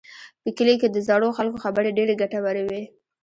په کلي کې د زړو خلکو خبرې ډېرې ګټورې وي.